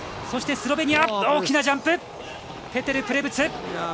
そしてスロベニアを大きなジャンプでペテル・プレブツ。